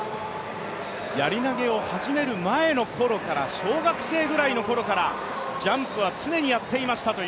やり投を始める前のころから小学生ぐらいのころからジャンプは常にやっていましたという。